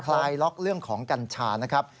คลายล็อกเรื่องของกัญชานะครับ